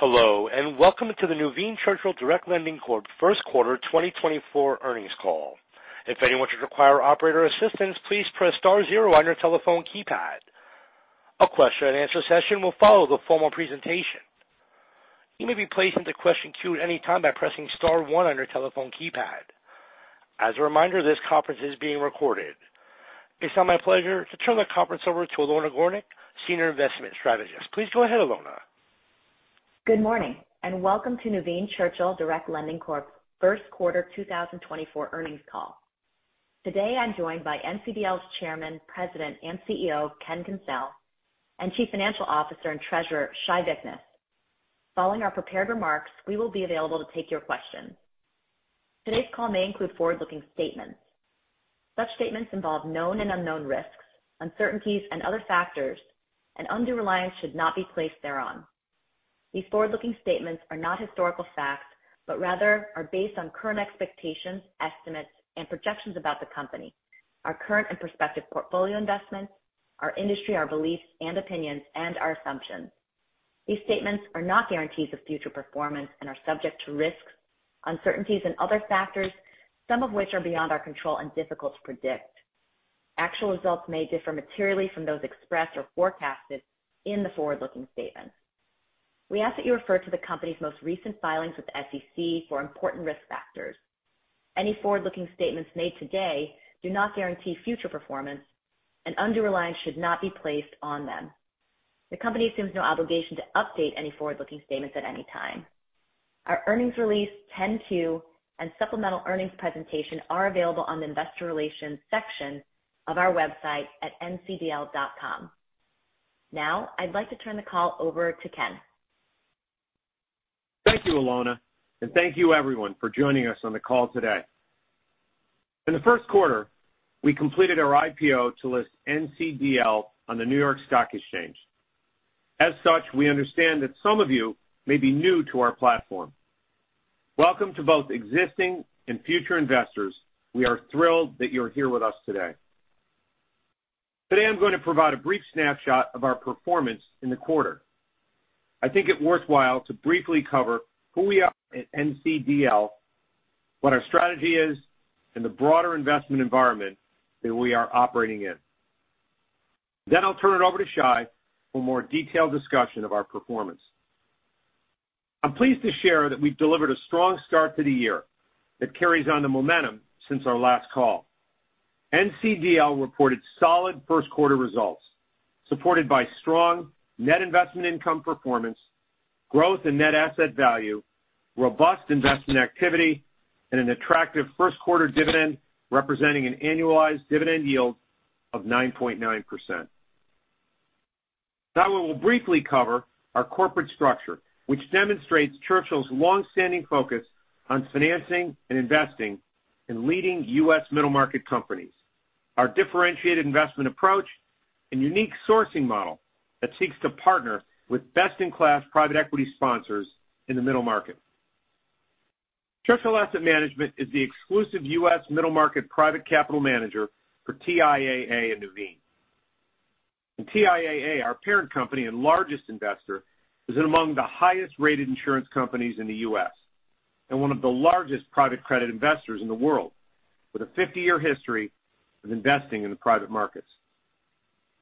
Hello, welcome to the Nuveen Churchill Direct Lending Corp First Quarter 2024 Earnings Call. If anyone should require operator assistance, please press star zero on your telephone keypad. A question and answer session will follow the formal presentation. You may be placed into question queue at any time by pressing star one on your telephone keypad. As a reminder, this conference is being recorded. It is now my pleasure to turn the conference over to Alona Gornick, Senior Investment Strategist. Please go ahead, Alona. Good morning, welcome to Nuveen Churchill Direct Lending Corp First Quarter 2024 earnings call. Today, I'm joined by NCDL's Chairman, President, and CEO, Ken Kencel, and Chief Financial Officer and Treasurer, Shai Vichness. Following our prepared remarks, we will be available to take your questions. Today's call may include forward-looking statements. Such statements involve known and unknown risks, uncertainties and other factors, undue reliance should not be placed thereon. These forward-looking statements are not historical facts, rather are based on current expectations, estimates, and projections about the company, our current and prospective portfolio investments, our industry, our beliefs and opinions, and our assumptions. These statements are not guarantees of future performance are subject to risks, uncertainties and other factors, some of which are beyond our control and difficult to predict. Actual results may differ materially from those expressed or forecasted in the forward-looking statement. We ask that you refer to the company's most recent filings with the SEC for important risk factors. Any forward-looking statements made today do not guarantee future performance, and undue reliance should not be placed on them. The company assumes no obligation to update any forward-looking statements at any time. Our earnings release, 10-Q, and supplemental earnings presentation are available on the investor relations section of our website at ncdl.com. Now, I'd like to turn the call over to Ken. Thank you, Alona, and thank you everyone for joining us on the call today. In the first quarter, we completed our IPO to list NCDL on the New York Stock Exchange. As such, we understand that some of you may be new to our platform. Welcome to both existing and future investors. We are thrilled that you're here with us today. Today, I'm going to provide a brief snapshot of our performance in the quarter. I think it worthwhile to briefly cover who we are at NCDL, what our strategy is, and the broader investment environment that we are operating in. I'll turn it over to Shai for more detailed discussion of our performance. I'm pleased to share that we've delivered a strong start to the year that carries on the momentum since our last call. NCDL reported solid first quarter results, supported by strong net investment income performance, growth in net asset value, robust investment activity, and an attractive first quarter dividend representing an annualized dividend yield of 9.9%. We will briefly cover our corporate structure, which demonstrates Churchill's long-standing focus on financing and investing in leading U.S. middle market companies, our differentiated investment approach, and unique sourcing model that seeks to partner with best-in-class private equity sponsors in the middle market. Churchill Asset Management is the exclusive U.S. middle market private capital manager for TIAA and Nuveen. TIAA, our parent company and largest investor, is among the highest-rated insurance companies in the U.S. and one of the largest private credit investors in the world, with a 50-year history of investing in the private markets.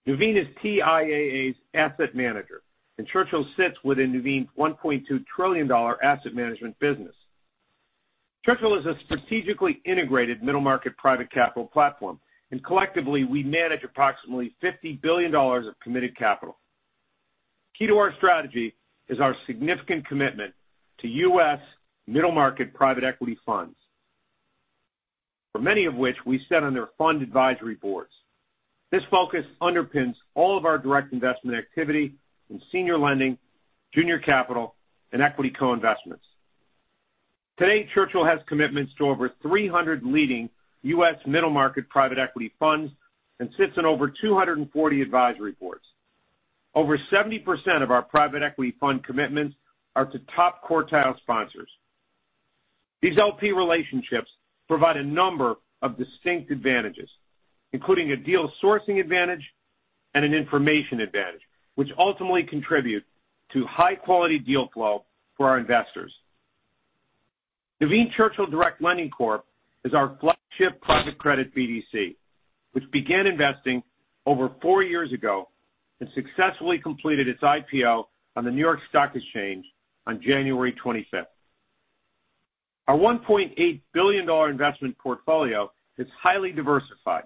Nuveen is TIAA's asset manager, and Churchill sits within Nuveen's $1.2 trillion asset management business. Churchill is a strategically integrated middle market private capital platform, and collectively, we manage approximately $50 billion of committed capital. Key to our strategy is our significant commitment to U.S. middle market private equity funds, for many of which we sit on their fund advisory boards. This focus underpins all of our direct investment activity in senior lending, junior capital, and equity co-investments. Today, Churchill has commitments to over 300 leading U.S. middle market private equity funds and sits on over 240 advisory boards. Over 70% of our private equity fund commitments are to top quartile sponsors. These LP relationships provide a number of distinct advantages, including a deal sourcing advantage and an information advantage, which ultimately contribute to high-quality deal flow for our investors. Nuveen Churchill Direct Lending Corp is our flagship private credit BDC, which began investing over four years ago and successfully completed its IPO on the New York Stock Exchange on January 25th. Our $1.8 billion investment portfolio is highly diversified,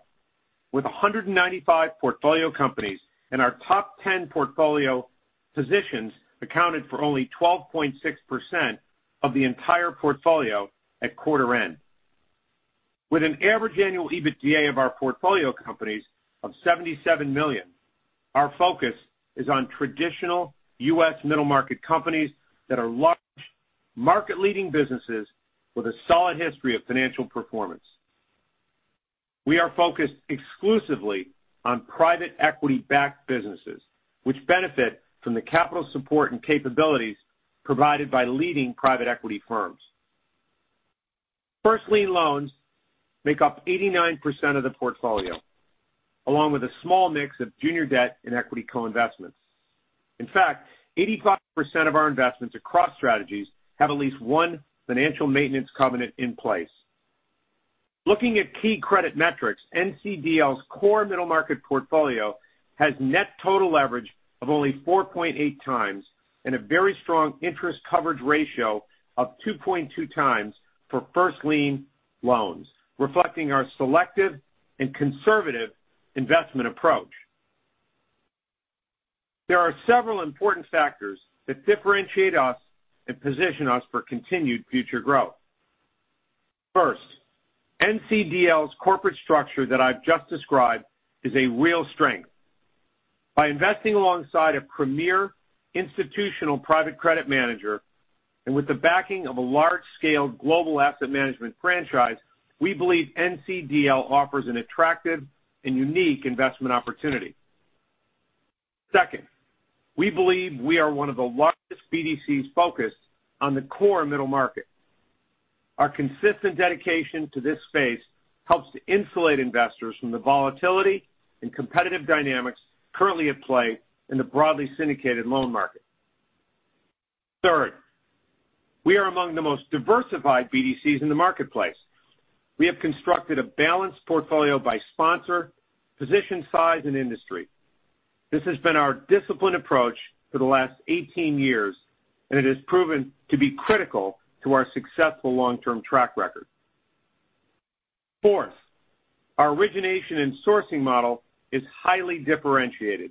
with 195 portfolio companies, and our top 10 portfolio positions accounted for only 12.6% of the entire portfolio at quarter end. With an average annual EBITDA of our portfolio companies of $77 million, our focus is on traditional U.S. middle market companies that are large market-leading businesses with a solid history of financial performance. We are focused exclusively on private equity-backed businesses, which benefit from the capital support and capabilities provided by leading private equity firms. First lien loans make up 89% of the portfolio, along with a small mix of junior debt and equity co-investments. In fact, 85% of our investments across strategies have at least one financial maintenance covenant in place. Looking at key credit metrics, NCDL's core middle market portfolio has net total leverage of only 4.8x and a very strong interest coverage ratio of 2.2x for first lien loans, reflecting our selective and conservative investment approach. There are several important factors that differentiate us and position us for continued future growth. First, NCDL's corporate structure that I've just described is a real strength. By investing alongside a premier institutional private credit manager and with the backing of a large-scale global asset management franchise, we believe NCDL offers an attractive and unique investment opportunity. Second, we believe we are one of the largest BDCs focused on the core middle market. Our consistent dedication to this space helps to insulate investors from the volatility and competitive dynamics currently at play in the broadly syndicated loan market. Third, we are among the most diversified BDCs in the marketplace. We have constructed a balanced portfolio by sponsor, position size, and industry. This has been our disciplined approach for the last 18 years, and it has proven to be critical to our successful long-term track record. Fourth, our origination and sourcing model is highly differentiated.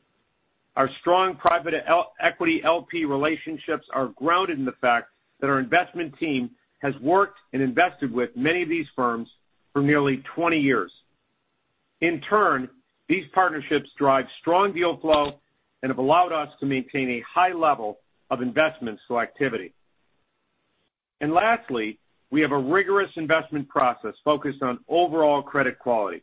Our strong private equity LP relationships are grounded in the fact that our investment team has worked and invested with many of these firms for nearly 20 years. In turn, these partnerships drive strong deal flow and have allowed us to maintain a high level of investment selectivity. Lastly, we have a rigorous investment process focused on overall credit quality.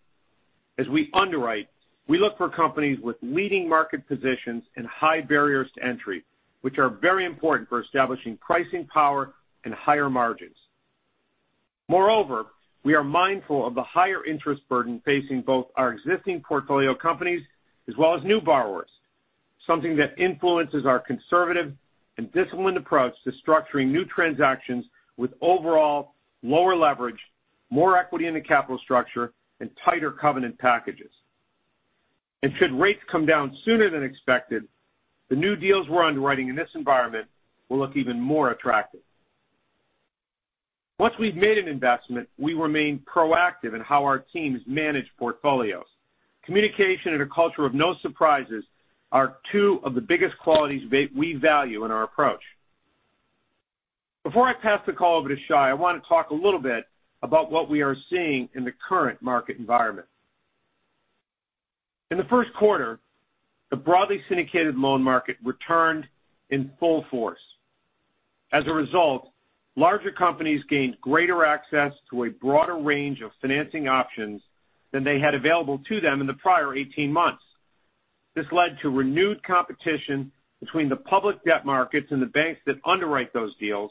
As we underwrite, we look for companies with leading market positions and high barriers to entry, which are very important for establishing pricing power and higher margins. Moreover, we are mindful of the higher interest burden facing both our existing portfolio companies as well as new borrowers, something that influences our conservative and disciplined approach to structuring new transactions with overall lower leverage, more equity in the capital structure, and tighter covenant packages. Should rates come down sooner than expected, the new deals we're underwriting in this environment will look even more attractive. Once we've made an investment, we remain proactive in how our teams manage portfolios. Communication and a culture of no surprises are two of the biggest qualities we value in our approach. Before I pass the call over to Shai, I want to talk a little bit about what we are seeing in the current market environment. In the first quarter, the broadly syndicated loan market returned in full force. As a result, larger companies gained greater access to a broader range of financing options than they had available to them in the prior 18 months. This led to renewed competition between the public debt markets and the banks that underwrite those deals,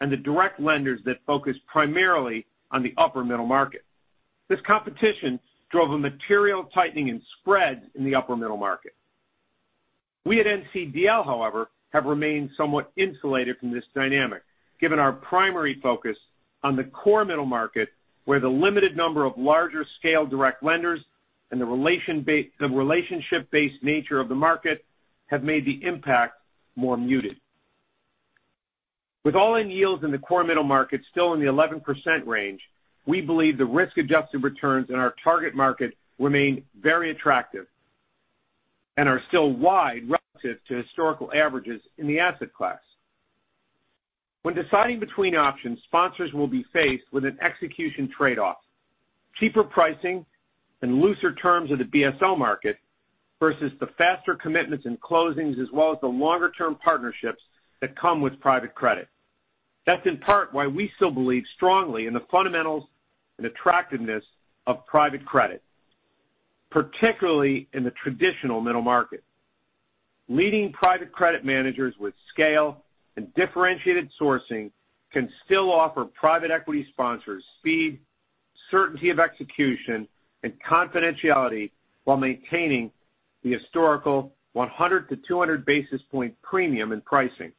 and the direct lenders that focus primarily on the upper middle market. This competition drove a material tightening in spreads in the upper middle market. We at NCDL, however, have remained somewhat insulated from this dynamic, given our primary focus on the core middle market, where the limited number of larger scale direct lenders and the relationship-based nature of the market have made the impact more muted. With all-in yields in the core middle market still in the 11% range, we believe the risk-adjusted returns in our target market remain very attractive and are still wide relative to historical averages in the asset class. When deciding between options, sponsors will be faced with an execution trade-off. Cheaper pricing and looser terms of the BSL market versus the faster commitments and closings as well as the longer-term partnerships that come with private credit. That's in part why we still believe strongly in the fundamentals and attractiveness of private credit, particularly in the traditional middle market. Leading private credit managers with scale and differentiated sourcing can still offer private equity sponsors speed, certainty of execution, and confidentiality while maintaining the historical 100-200 basis point premium in pricing.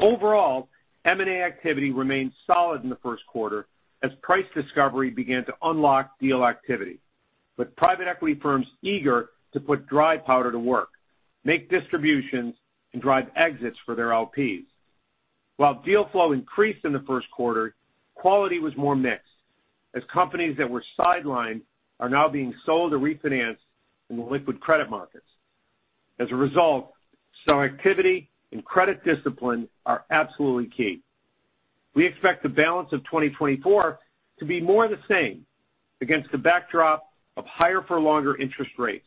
Overall, M&A activity remained solid in the first quarter as price discovery began to unlock deal activity, with private equity firms eager to put dry powder to work, make distributions, and drive exits for their LPs. While deal flow increased in the first quarter, quality was more mixed, as companies that were sidelined are now being sold or refinanced in the liquid credit markets. As a result, selectivity and credit discipline are absolutely key. We expect the balance of 2024 to be more the same against the backdrop of higher for longer interest rates.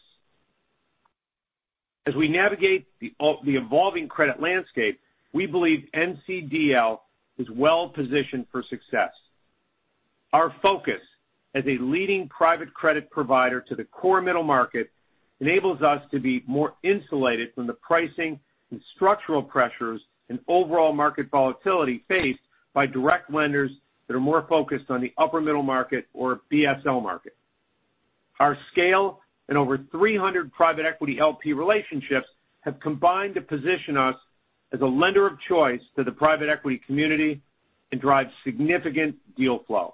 As we navigate the evolving credit landscape, we believe NCDL is well-positioned for success. Our focus as a leading private credit provider to the core middle market enables us to be more insulated from the pricing and structural pressures and overall market volatility faced by direct lenders that are more focused on the upper middle market or BSL market. Our scale and over 300 private equity LP relationships have combined to position us as a lender of choice to the private equity community and drive significant deal flow,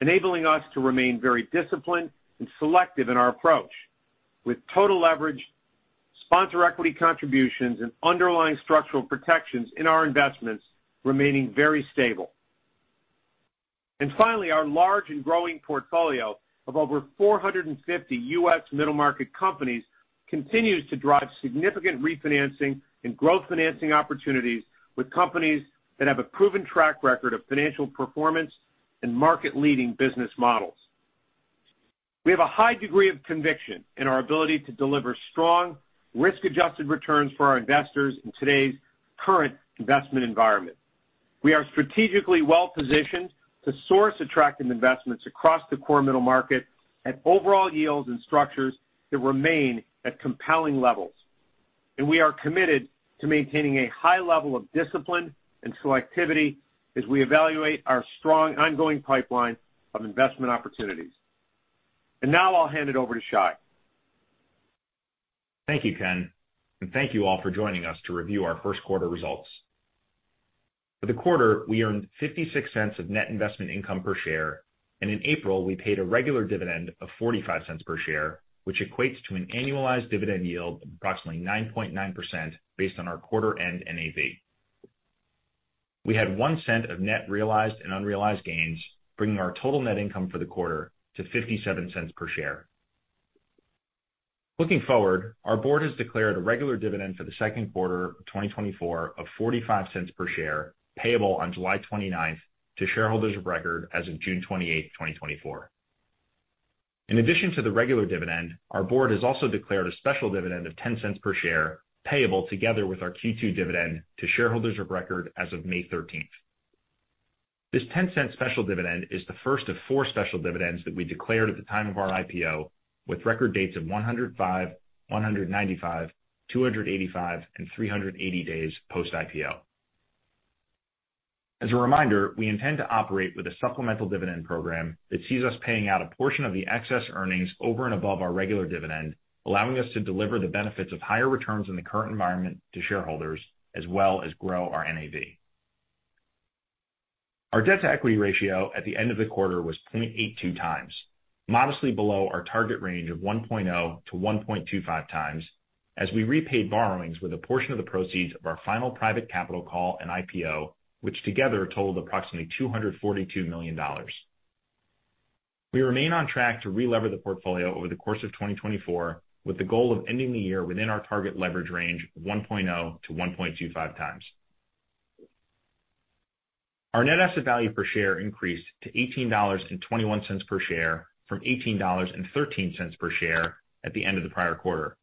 enabling us to remain very disciplined and selective in our approach, with total leverage, sponsor equity contributions and underlying structural protections in our investments remaining very stable. Finally, our large and growing portfolio of over 450 U.S. middle market companies continues to drive significant refinancing and growth financing opportunities with companies that have a proven track record of financial performance and market-leading business models. We have a high degree of conviction in our ability to deliver strong risk-adjusted returns for our investors in today's current investment environment. We are strategically well-positioned to source attractive investments across the core middle market at overall yields and structures that remain at compelling levels. We are committed to maintaining a high level of discipline and selectivity as we evaluate our strong ongoing pipeline of investment opportunities. Now I'll hand it over to Shai. Thank you, Ken, and thank you all for joining us to review our first quarter results. For the quarter, we earned $0.56 of net investment income per share, and in April, we paid a regular dividend of $0.45 per share, which equates to an annualized dividend yield of approximately 9.9% based on our quarter end NAV. We had $0.01 of net realized and unrealized gains, bringing our total net income for the quarter to $0.57 per share. Looking forward, our board has declared a regular dividend for the second quarter of 2024 of $0.45 per share, payable on July 29th to shareholders of record as of June 28, 2024. In addition to the regular dividend, our board has also declared a special dividend of $0.10 per share, payable together with our Q2 dividend to shareholders of record as of May 13. This $0.10 special dividend is the first of four special dividends that we declared at the time of our IPO, with record dates of 105, 195, 285, and 380 days post-IPO. As a reminder, we intend to operate with a supplemental dividend program that sees us paying out a portion of the excess earnings over and above our regular dividend, allowing us to deliver the benefits of higher returns in the current environment to shareholders, as well as grow our NAV. Our debt-to-equity ratio at the end of the quarter was 0.82 times, modestly below our target range of 1.0-1.25 times, as we repaid borrowings with a portion of the proceeds of our final private capital call and IPO, which together totaled approximately $242 million. We remain on track to relever the portfolio over the course of 2024, with the goal of ending the year within our target leverage range of 1.0-1.25 times. Our NAV per share increased to $18.21 per share from $18.13 per share at the end of the prior quarter.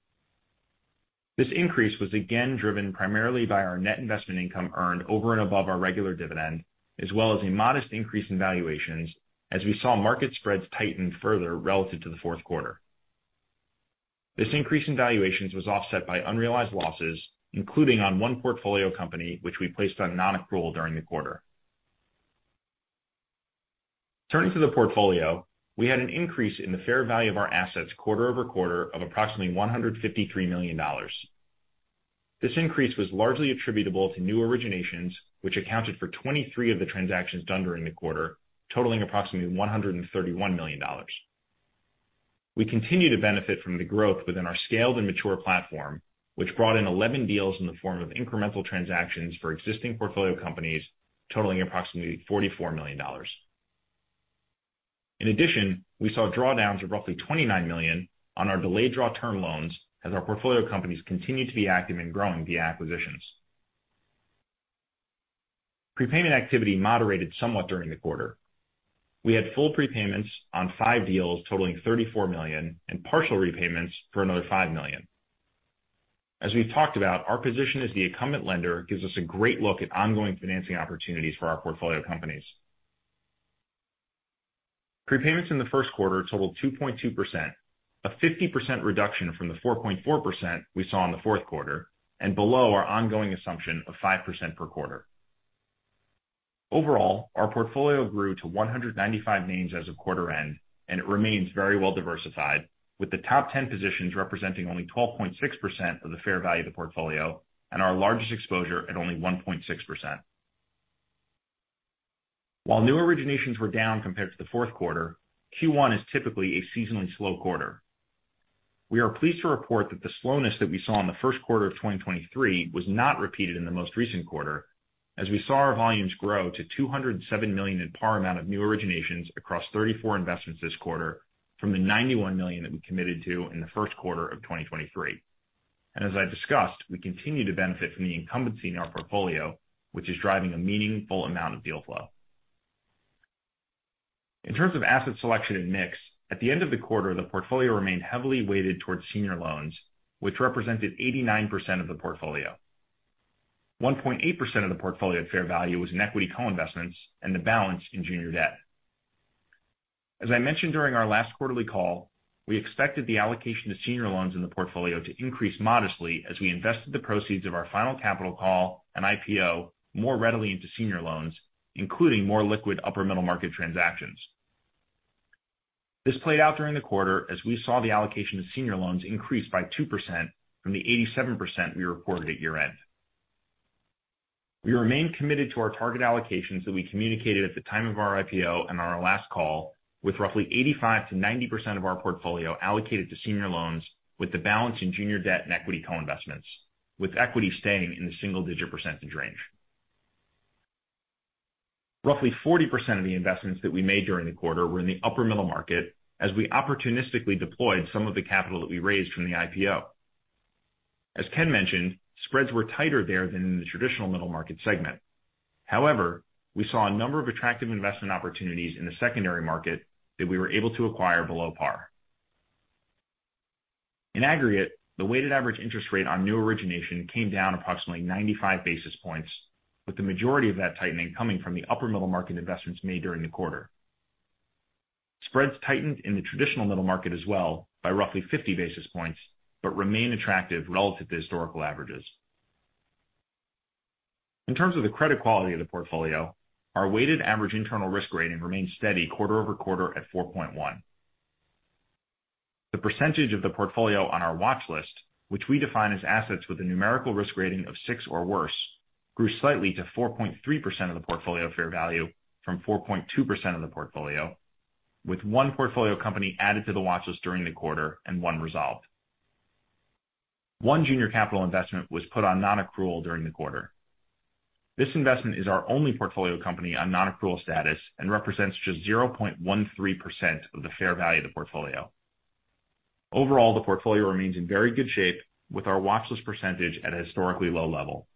This increase was again driven primarily by our net investment income earned over and above our regular dividend, as well as a modest increase in valuations as we saw market spreads tighten further relative to the fourth quarter. This increase in valuations was offset by unrealized losses, including on one portfolio company, which we placed on non-accrual during the quarter. Turning to the portfolio, we had an increase in the fair value of our assets quarter-over-quarter of approximately $153 million. This increase was largely attributable to new originations, which accounted for 23 of the transactions done during the quarter, totaling approximately $131 million. We continue to benefit from the growth within our scaled and mature platform, which brought in 11 deals in the form of incremental transactions for existing portfolio companies totaling approximately $44 million. In addition, we saw drawdowns of roughly $29 million on our delayed draw term loans as our portfolio companies continue to be active in growing via acquisitions. Prepayment activity moderated somewhat during the quarter. We had full prepayments on five deals totaling $34 million and partial repayments for another $5 million. As we've talked about, our position as the incumbent lender gives us a great look at ongoing financing opportunities for our portfolio companies. Prepayments in the first quarter totaled 2.2%, a 50% reduction from the 4.4% we saw in the fourth quarter, and below our ongoing assumption of 5% per quarter. Overall, our portfolio grew to 195 names as of quarter end, and it remains very well diversified, with the top 10 positions representing only 12.6% of the fair value of the portfolio and our largest exposure at only 1.6%. While new originations were down compared to the fourth quarter, Q1 is typically a seasonally slow quarter. We are pleased to report that the slowness that we saw in the first quarter of 2023 was not repeated in the most recent quarter, as we saw our volumes grow to $207 million in per amount of new originations across 34 investments this quarter from the $91 million that we committed to in the first quarter of 2023. As I discussed, we continue to benefit from the incumbency in our portfolio, which is driving a meaningful amount of deal flow. In terms of asset selection and mix, at the end of the quarter, the portfolio remained heavily weighted towards senior loans, which represented 89% of the portfolio. 1.8% of the portfolio at fair value was in equity co-investments and the balance in junior debt. As I mentioned during our last quarterly call, we expected the allocation to senior loans in the portfolio to increase modestly as we invested the proceeds of our final capital call and IPO more readily into senior loans, including more liquid upper middle market transactions. This played out during the quarter as we saw the allocation of senior loans increase by 2% from the 87% we reported at year-end. We remain committed to our target allocations that we communicated at the time of our IPO and on our last call, with roughly 85%-90% of our portfolio allocated to senior loans with the balance in junior debt and equity co-investments, with equity staying in the single-digit percentage range. Roughly 40% of the investments that we made during the quarter were in the upper middle market as we opportunistically deployed some of the capital that we raised from the IPO. As Ken mentioned, spreads were tighter there than in the traditional middle market segment. However, we saw a number of attractive investment opportunities in the secondary market that we were able to acquire below par. In aggregate, the weighted average interest rate on new origination came down approximately 95 basis points, with the majority of that tightening coming from the upper middle market investments made during the quarter. Spreads tightened in the traditional middle market as well by roughly 50 basis points, but remain attractive relative to historical averages. In terms of the credit quality of the portfolio, our weighted average internal risk rating remained steady quarter-over-quarter at 4.1. The percentage of the portfolio on our watchlist, which we define as assets with a numerical risk rating of six or worse, grew slightly to 4.3% of the portfolio fair value from 4.2% of the portfolio, with one portfolio company added to the watchlist during the quarter and one resolved. One junior capital investment was put on non-accrual during the quarter. This investment is our only portfolio company on non-accrual status and represents just 0.13% of the fair value of the portfolio. Overall, the portfolio remains in very good shape with our watchlist percentage at a historically low level.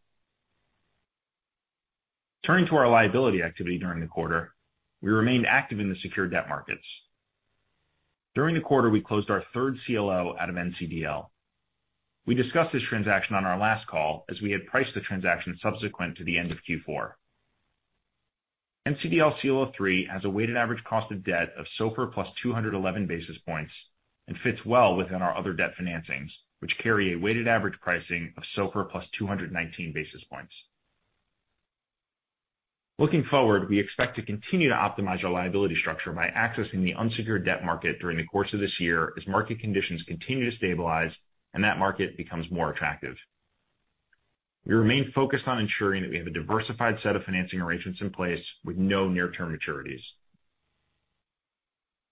Turning to our liability activity during the quarter, we remained active in the secured debt markets. During the quarter, we closed our third CLO out of NCDL. We discussed this transaction on our last call as we had priced the transaction subsequent to the end of Q4. NCDL CLO-III has a weighted average cost of debt of SOFR plus 211 basis points and fits well within our other debt financings, which carry a weighted average pricing of SOFR plus 219 basis points. Looking forward, we expect to continue to optimize our liability structure by accessing the unsecured debt market during the course of this year as market conditions continue to stabilize and that market becomes more attractive. We remain focused on ensuring that we have a diversified set of financing arrangements in place with no near-term maturities.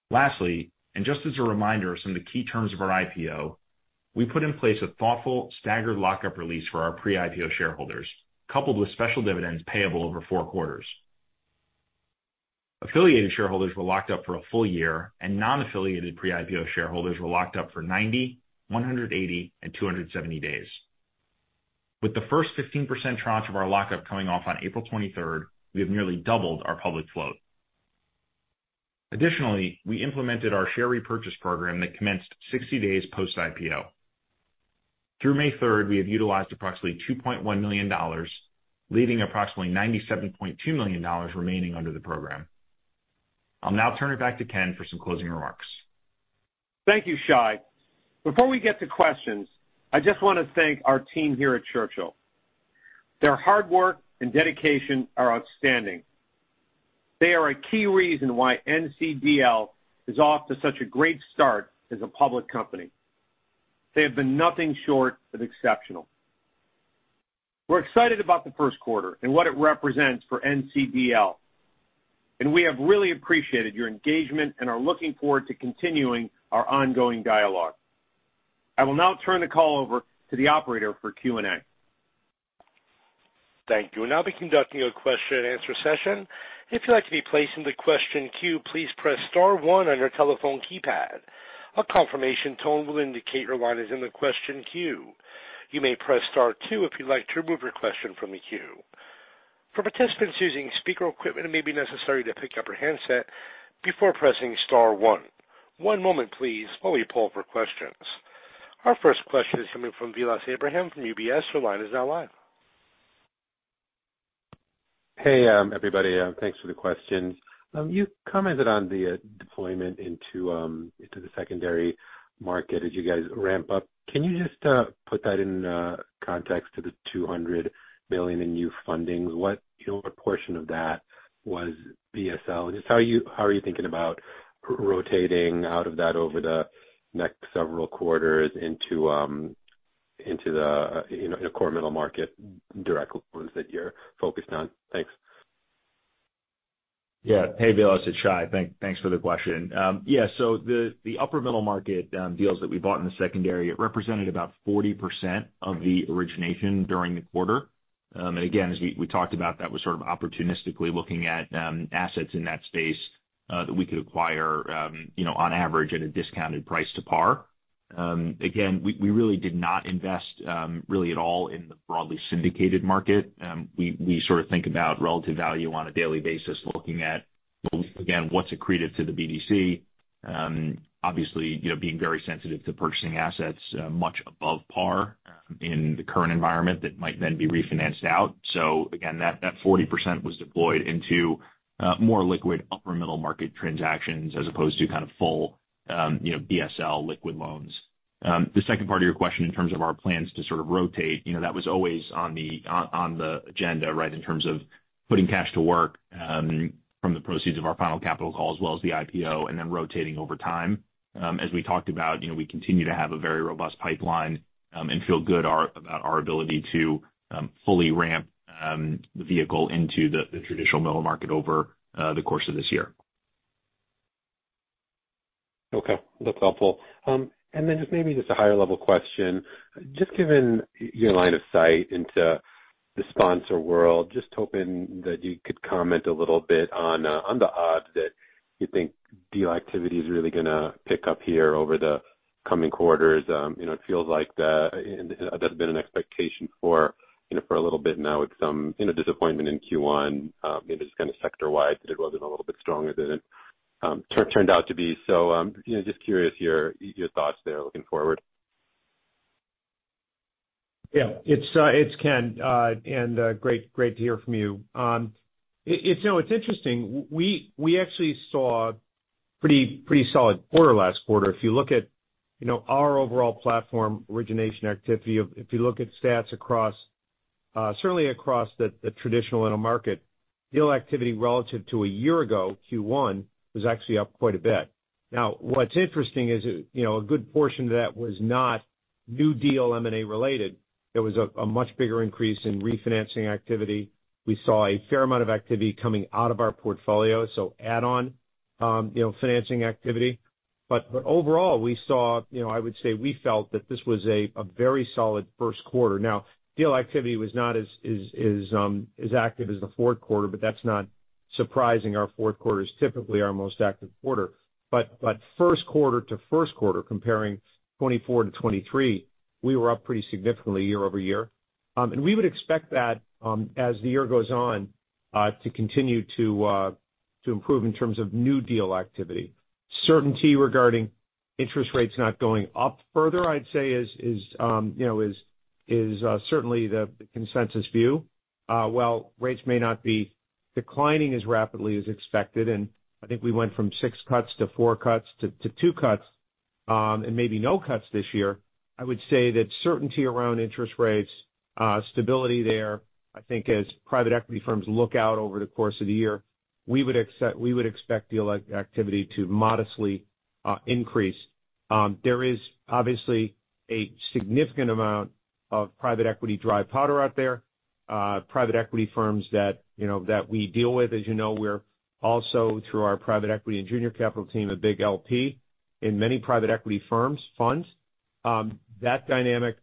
Lastly, just as a reminder of some of the key terms of our IPO, we put in place a thoughtful staggered lock-up release for our pre-IPO shareholders, coupled with special dividends payable over four quarters. Affiliated shareholders were locked up for a full year. Non-affiliated pre-IPO shareholders were locked up for 90, 180, and 270 days. With the first 15% tranche of our lock-up coming off on April 23, we have nearly doubled our public float. Additionally, we implemented our share repurchase program that commenced 60 days post-IPO. Through May 3rd, we have utilized approximately $2.1 million, leaving approximately $97.2 million remaining under the program. I'll now turn it back to Ken for some closing remarks. Thank you, Shai. Before we get to questions, I just wanna thank our team here at Churchill. Their hard work and dedication are outstanding. They are a key reason why NCDL is off to such a great start as a public company. They have been nothing short of exceptional. We're excited about the first quarter and what it represents for NCDL, and we have really appreciated your engagement and are looking forward to continuing our ongoing dialogue. I will now turn the call over to the operator for Q&A. Thank you. We'll now be conducting a question and answer session. If you'd like to be placed in the question queue, please press star one on your telephone keypad. A confirmation tone will indicate your line is in the question queue. You may press star two if you'd like to remove your question from the queue. For participants using speaker equipment, it may be necessary to pick up your handset before pressing star one. One moment please while we poll for questions. Our first question is coming from Vilas Abraham from UBS. Your line is now live. Hey, everybody, thanks for the questions. You commented on the deployment into the secondary market as you guys ramp up. Can you just put that in context to the $200 million in new fundings? What, you know, what portion of that was BSL? Just how are you thinking about rotating out of that over the next several quarters into the, you know, the core middle market direct loans that you're focused on? Thanks. Hey, Vilas, it's Shai. Thanks for the question. The upper middle market deals that we bought in the secondary, it represented about 40% of the origination during the quarter. As we talked about, that was sort of opportunistically looking at assets in that space that we could acquire, you know, on average at a discounted price to par. We really did not invest really at all in the broadly syndicated market. We sort of think about relative value on a daily basis, looking at, well again, what's accretive to the BDC. Obviously, you know, being very sensitive to purchasing assets much above par in the current environment that might then be refinanced out. Again, that 40% was deployed into more liquid upper middle market transactions as opposed to kind of full, you know, BSL liquid loans. The second part of your question in terms of our plans to sort of rotate, you know, that was always on the agenda, right? In terms of putting cash to work from the proceeds of our final capital call as well as the IPO and then rotating over time. As we talked about, you know, we continue to have a very robust pipeline, and feel good about our ability to fully ramp the vehicle into the traditional middle market over the course of this year. Okay. That's helpful. Just maybe just a higher level question. Just given your line of sight into the sponsor world, just hoping that you could comment a little bit on the odds that you think deal activity is really gonna pick up here over the coming quarters. You know, it feels like that's been an expectation for, you know, for a little bit now with some, you know, disappointment in Q1. Maybe just kinda sector-wide, it wasn't a little bit stronger than it turned out to be. You know, just curious your thoughts there looking forward. Yeah. It's Ken. Great to hear from you. You know, it's interesting. We actually saw a pretty solid quarter last quarter. If you look at, you know, our overall platform. If you look at stats across, certainly across the traditional middle market, deal activity relative to a year ago, Q1, was actually up quite a bit. What's interesting is, you know, a good portion of that was not new deal M&A related. There was a much bigger increase in refinancing activity. We saw a fair amount of activity coming out of our portfolio, so add-on, you know, financing activity. Overall we saw, you know, I would say we felt that this was a very solid first quarter. Deal activity was not as active as the fourth quarter, but that's not surprising. Our fourth quarter is typically our most active quarter. First quarter to first quarter, comparing 2024 to 2023, we were up pretty significantly year-over-year. We would expect that, as the year goes on, to continue to improve in terms of new deal activity. Certainty regarding interest rates not going up further, I'd say is, you know, certainly the consensus view. While rates may not be declining as rapidly as expected, I think we went from six cuts to four cuts to two cuts, maybe no cuts this year. I would say that certainty around interest rates, stability there, I think as private equity firms look out over the course of the year, we would expect deal activity to modestly increase. There is obviously a significant amount of private equity dry powder out there. Private equity firms that, you know, that we deal with. As you know, we're also, through our private equity and junior capital team, a big LP in many private equity firms, funds. That dynamic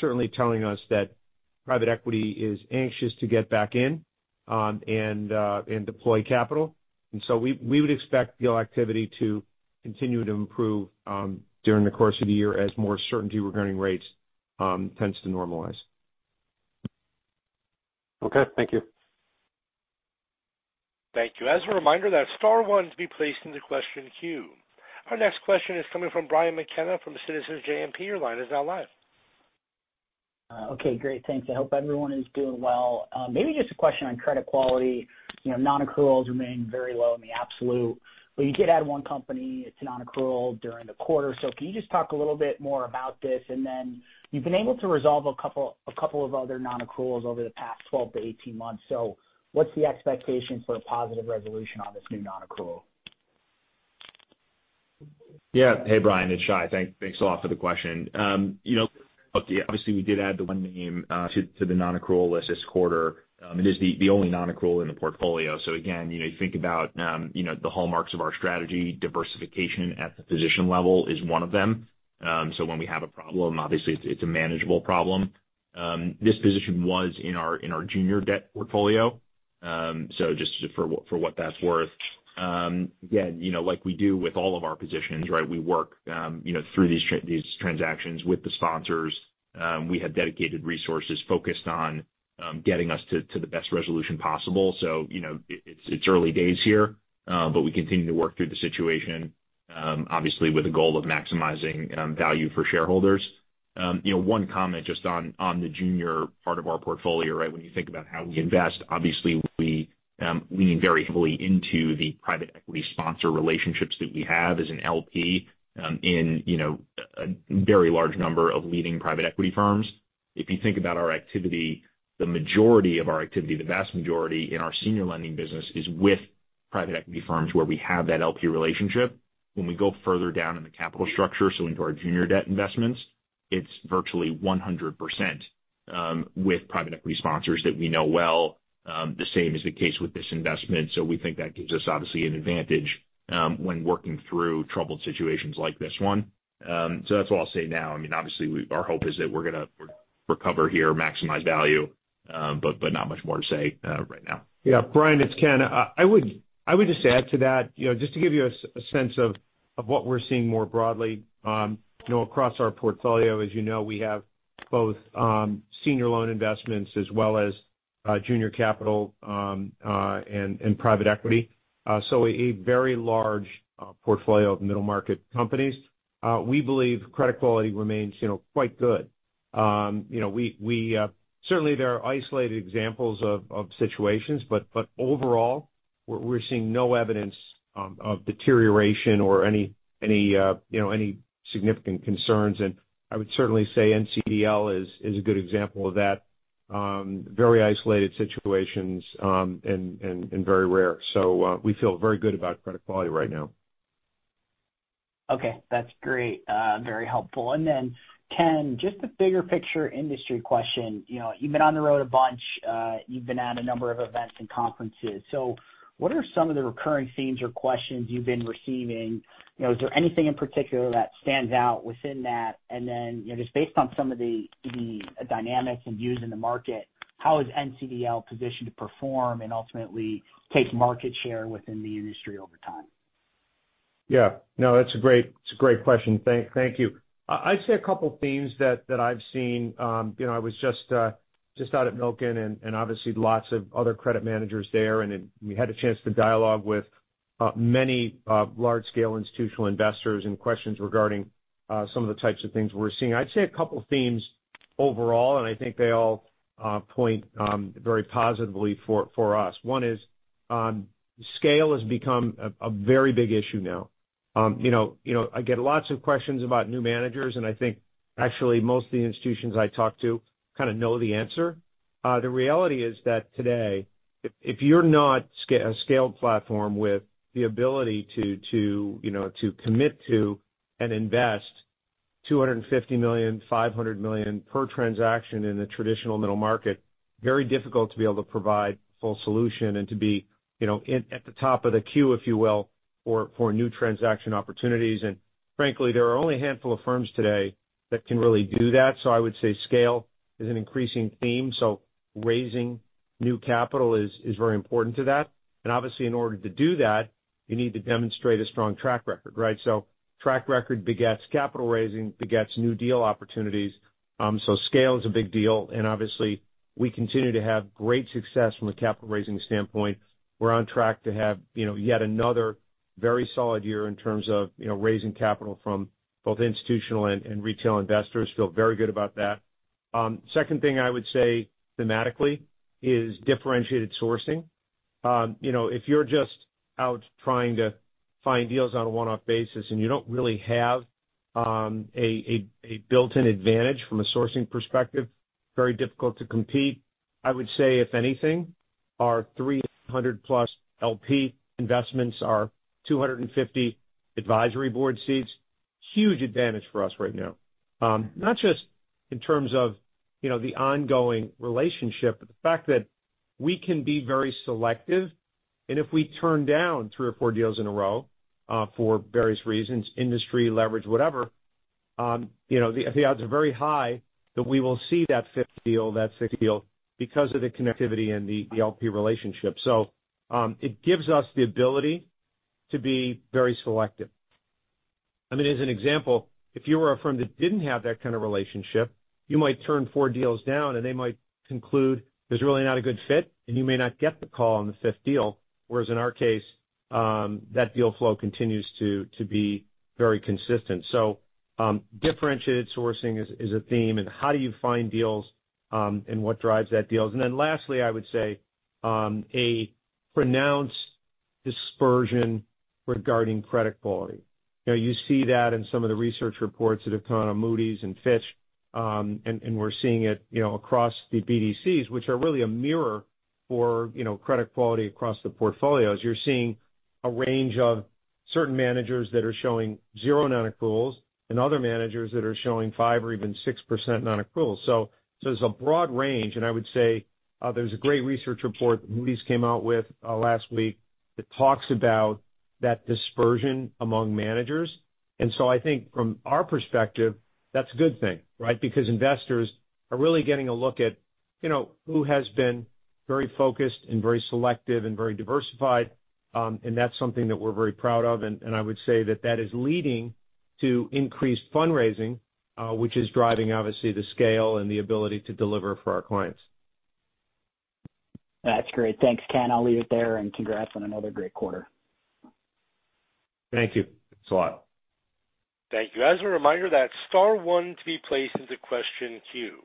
certainly telling us that private equity is anxious to get back in and deploy capital. We would expect deal activity to continue to improve during the course of the year as more certainty regarding rates tends to normalize. Okay. Thank you. Thank you. As a reminder, that star one is to be placed in the question queue. Our next question is coming from Brian McKenna from Citizens JMP. Your line is now live. Okay, great. Thanks. I hope everyone is doing well. Maybe just a question on credit quality. You know, non-accruals remain very low in the absolute, but you did add one company to non-accrual during the quarter. Can you just talk a little bit more about this? You've been able to resolve a couple of other non-accruals over the past 12-18 months. What's the expectation for a positive resolution on this new non-accrual? Hey, Brian, it's Shai. Thanks a lot for the question. You know, obviously we did add the one name to the non-accrual list this quarter. It is the only non-accrual in the portfolio. Again, you know, you think about, you know, the hallmarks of our strategy, diversification at the position level is one of them. When we have a problem, obviously it's a manageable problem. This position was in our junior debt portfolio. Just for what that's worth. Again, you know, like we do with all of our positions, right? We work, you know, through these transactions with the sponsors. We have dedicated resources focused on getting us to the best resolution possible. You know, it's early days here, but we continue to work through the situation, obviously with the goal of maximizing value for shareholders. You know, one comment just on the junior part of our portfolio, right? When you think about how we invest, obviously we lean very heavily into the private equity sponsor relationships that we have as an LP, in, you know, a very large number of leading private equity firms. If you think about our activity, the majority of our activity, the vast majority in our senior lending business is with private equity firms where we have that LP relationship. When we go further down in the capital structure, so into our junior debt investments, it's virtually 100% with private equity sponsors that we know well. The same is the case with this investment. We think that gives us obviously an advantage when working through troubled situations like this one. That's all I'll say now. I mean, obviously our hope is that we're gonna recover here, maximize value, but not much more to say right now. Yeah. Brian, it's Ken. I would just add to that, you know, just to give you a sense of what we're seeing more broadly, you know, across our portfolio, as you know, we have both senior loan investments as well as junior capital and private equity. A very large portfolio of middle-market companies. We believe credit quality remains, you know, quite good. You know, we certainly there are isolated examples of situations, but overall, we're seeing no evidence of deterioration or any significant concerns. I would certainly say NCDL is a good example of that. Very isolated situations and very rare. We feel very good about credit quality right now. Okay. That's great. very helpful. Ken, just a bigger picture industry question. You know, you've been on the road a bunch. You've been at a number of events and conferences. What are some of the recurring themes or questions you've been receiving? You know, is there anything in particular that stands out within that? You know, just based on some of the dynamics and views in the market, how is NCDL positioned to perform and ultimately take market share within the industry over time? Yeah. No, that's a great question. Thank you. I'd say a couple themes that I've seen. You know, I was just out at Milken and obviously lots of other credit managers there. We had a chance to dialogue with many large-scale institutional investors and questions regarding some of the types of things we're seeing. I'd say a couple themes overall. I think they all point very positively for us. One is, scale has become a very big issue now. You know, I get lots of questions about new managers. I think actually most of the institutions I talk to kinda know the answer. The reality is that today, if you're not a scaled platform with the ability to, you know, to commit to and invest $250 million, $500 million per transaction in the traditional middle market, very difficult to be able to provide full solution and to be, you know, at the top of the queue, if you will, for new transaction opportunities. Frankly, there are only a handful of firms today that can really do that. I would say scale is an increasing theme. Raising new capital is very important to that. Obviously, in order to do that, you need to demonstrate a strong track record, right? Track record begets capital raising, begets new deal opportunities. Scale is a big deal, and obviously we continue to have great success from a capital raising standpoint. We're on track to have, you know, yet another very solid year in terms of, you know, raising capital from both institutional and retail investors. Feel very good about that. Second thing I would say thematically is differentiated sourcing. You know, if you're just out trying to find deals on a one-off basis and you don't really have a built-in advantage from a sourcing perspective, very difficult to compete. I would say, if anything, our 300 plus LP investments, our 250 advisory board seats, huge advantage for us right now. Not just in terms of, you know, the ongoing relationship, but the fact that we can be very selective, and if we turn down three or four deals in a row, for various reasons, industry leverage, whatever, you know, the odds are very high that we will see that fifth deal, that sixth deal because of the connectivity and the LP relationship. It gives us the ability to be very selective. I mean, as an example, if you were a firm that didn't have that kind of relationship, you might turn four deals down and they might conclude there's really not a good fit, and you may not get the call on the fifth deal. Whereas in our case, that deal flow continues to be very consistent. Differentiated sourcing is a theme and how do you find deals and what drives those deals. Lastly, I would say a pronounced dispersion regarding credit quality. You know, you see that in some of the research reports that have come out of Moody's and Fitch, and we're seeing it, you know, across the BDCs, which are really a mirror for, you know, credit quality across the portfolios. You're seeing a range of certain managers that are showing zero non-accruals and other managers that are showing 5% or even 6% non-accruals. There's a broad range, and I would say there's a great research report that Moody's came out with last week that talks about that dispersion among managers. I think from our perspective, that's a good thing, right? Investors are really getting a look at, you know, who has been very focused and very selective and very diversified. That's something that we're very proud of. I would say that that is leading to increased fundraising, which is driving obviously the scale and the ability to deliver for our clients. That's great. Thanks, Ken. I'll leave it there and congrats on another great quarter. Thank you, Soheil. Thank you. As a reminder, that's star one to be placed into question queue.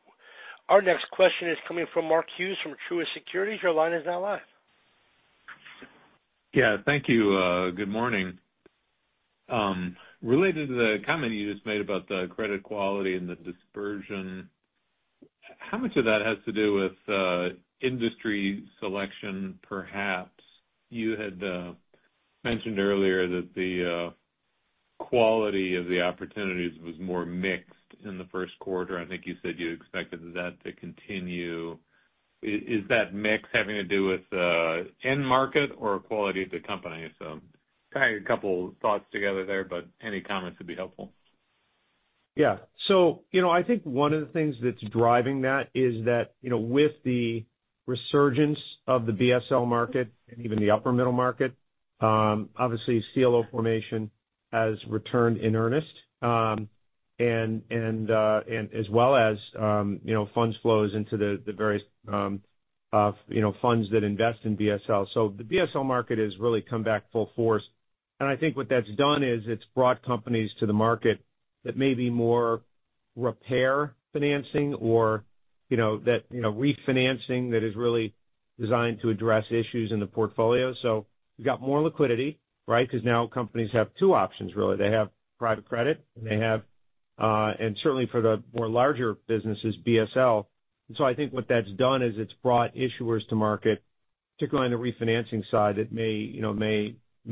Our next question is coming from Mark Hughes from Truist Securities. Your line is now live. Yeah. Thank you. Good morning. Related to the comment you just made about the credit quality and the dispersion, how much of that has to do with industry selection perhaps? You had mentioned earlier that the quality of the opportunities was more mixed in the first quarter. I think you said you expected that to continue. Is that mix having to do with end market or quality of the company? Tying a couple thoughts together there, any comments would be helpful. Yeah. You know, I think one of the things that's driving that is that, you know, with the resurgence of the BSL market and even the upper middle market, obviously CLO formation has returned in earnest, as well as, you know, funds flows into the various, you know, funds that invest in BSL. The BSL market has really come back full force. I think what that's done is it's brought companies to the market that may be more repair financing or, you know, that, you know, refinancing that is really designed to address issues in the portfolio. We've got more liquidity, right? 'Cause now companies have two options really. They have private credit and they have, and certainly for the more larger businesses, BSL. I think what that's done is it's brought issuers to market, particularly on the refinancing side, that may, you know,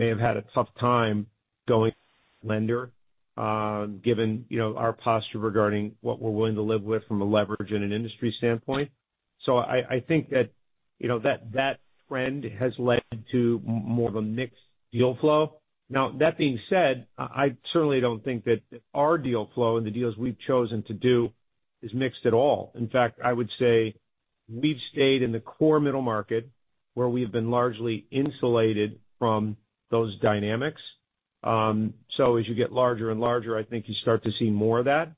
have had a tough time going lender, given, you know, our posture regarding what we're willing to live with from a leverage and an industry standpoint. I think that, you know, that trend has led to more of a mixed deal flow. Now, that being said, I certainly don't think that our deal flow and the deals we've chosen to do is mixed at all. In fact, I would say we've stayed in the core middle market where we've been largely insulated from those dynamics. As you get larger and larger, I think you start to see more of that.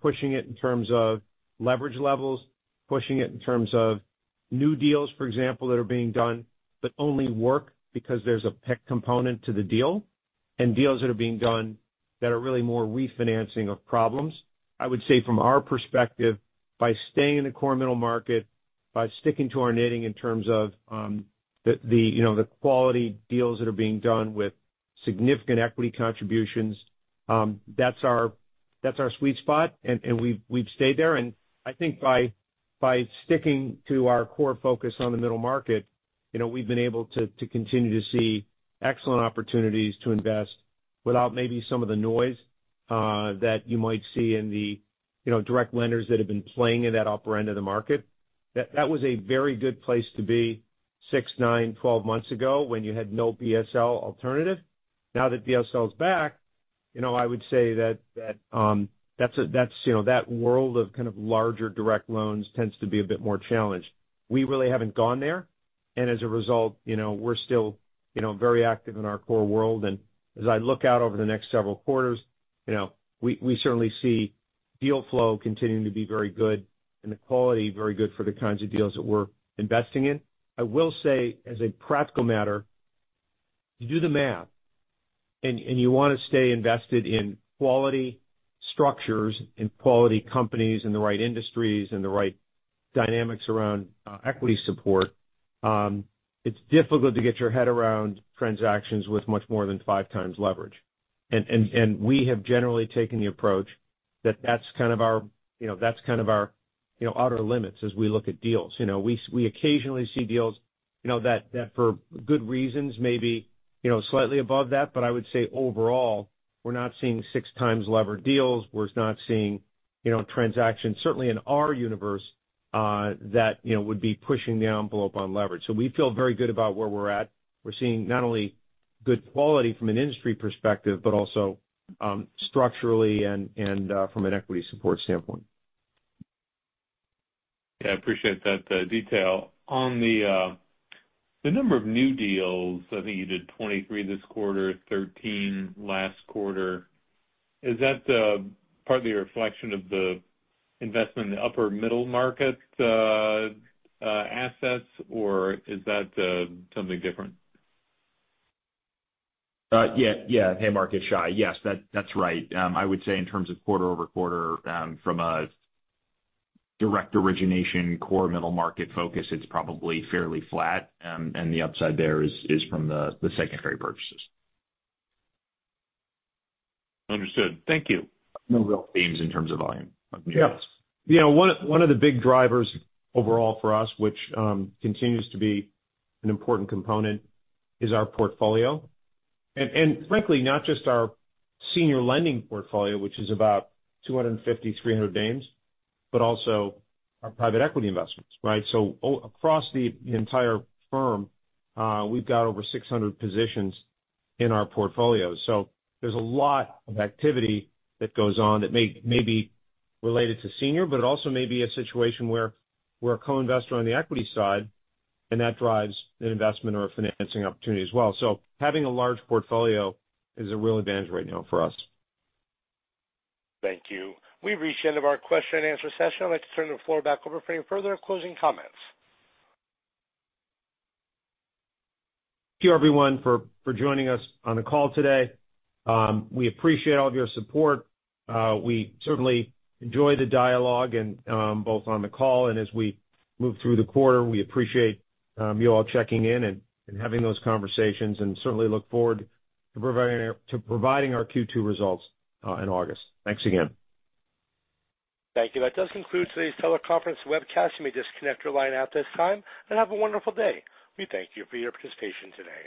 Pushing it in terms of leverage levels, pushing it in terms of new deals, for example, that are being done that only work because there's a PIK component to the deal and deals that are being done that are really more refinancing of problems. I would say from our perspective, by staying in the core middle market, by sticking to our knitting in terms of the, you know, the quality deals that are being done with significant equity contributions, that's our, that's our sweet spot, and we've stayed there. I think by sticking to our core focus on the middle market, you know, we've been able to continue to see excellent opportunities to invest without maybe some of the noise that you might see in the, you know, direct lenders that have been playing in that upper end of the market. That was a very good place to be six, 9, 12 months ago when you had no BSL alternative. Now that BSL is back, you know, I would say that's, you know, that world of kind of larger direct loans tends to be a bit more challenged. We really haven't gone there, as a result, you know, we're still, you know, very active in our core world. As I look out over the next several quarters, you know, we certainly see deal flow continuing to be very good and the quality very good for the kinds of deals that we're investing in. I will say, as a practical matter, you do the math and you wanna stay invested in quality structures and quality companies in the right industries and the right dynamics around equity support, it's difficult to get your head around transactions with much more than 5x leverage. We have generally taken the approach that that's kind of our, you know, that's kind of our, you know, outer limits as we look at deals. You know, we occasionally see deals, you know, that for good reasons may be, you know, slightly above that. I would say overall, we're not seeing 6 times levered deals. We're not seeing, you know, transactions certainly in our universe, that, you know, would be pushing the envelope on leverage. We feel very good about where we're at. We're seeing not only good quality from an industry perspective, but also, structurally and from an equity support standpoint. Yeah, I appreciate that detail. On the number of new deals, I think you did 23 this quarter, 13 last quarter. Is that partly a reflection of the investment in the upper middle market assets, or is that something different? Yeah. Hey, Mark. It's Shai. Yes, that's right. I would say in terms of quarter-over-quarter, from a direct origination core middle market focus, it's probably fairly flat. The upside there is from the secondary purchases. Understood. Thank you. No real themes in terms of volume. Yeah. You know, one of the big drivers overall for us, which continues to be an important component is our portfolio. Frankly, not just our senior lending portfolio, which is about 250-300 names, but also our private equity investments, right? Across the entire firm, we've got over 600 positions in our portfolio. There's a lot of activity that goes on that may be related to senior, but it also may be a situation where we're a co-investor on the equity side, and that drives an investment or a financing opportunity as well. Having a large portfolio is a real advantage right now for us. Thank you. We've reached the end of our question and answer session. I'd like to turn the floor back over for any further closing comments. Thank you, everyone, for joining us on the call today. We appreciate all of your support. We certainly enjoy the dialogue and both on the call and as we move through the quarter. We appreciate you all checking in and having those conversations and certainly look forward to providing our Q2 results in August. Thanks again. Thank you. That does conclude today's teleconference webcast. You may disconnect your line at this time and have a wonderful day. We thank you for your participation today.